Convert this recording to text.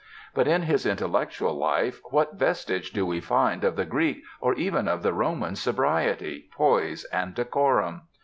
But in his intellectual life what vestige do we find of the Greek or even of the Roman sobriety, poise and decorum?